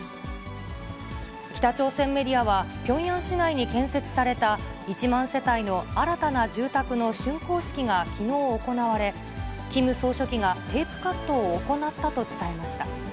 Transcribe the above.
北朝鮮メディアは、ピョンヤン市内に建設された１万世帯の新たな住宅のしゅんこう式がきのう行われ、キム総書記がテープカットを行ったと伝えました。